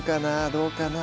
どうかな？